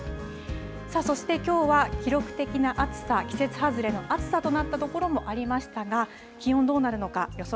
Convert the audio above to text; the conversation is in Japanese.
さあ、そしてきょうは記録的な暑さ季節外れの暑さとなったところもありましたが気温どうなるのか予想